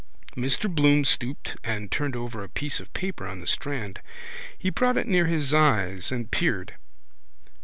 Mr Bloom stooped and turned over a piece of paper on the strand. He brought it near his eyes and peered.